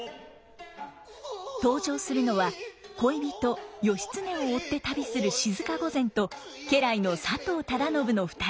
登場するのは恋人義経を追って旅する静御前と家来の佐藤忠信の２人。